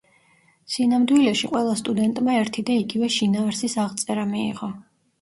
სინამდვილეში, ყველა სტუდენტმა ერთი და იგივე შინაარსის აღწერა მიიღო.